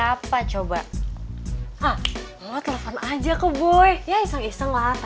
hubungannya boy sama reva